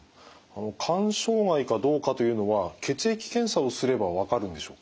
肝障害かどうかというのは血液検査をすれば分かるんでしょうか？